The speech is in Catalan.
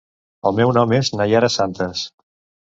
El meu nom és Naiara Santes.